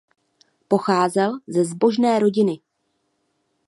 Pocházel ze zbožné rodiny.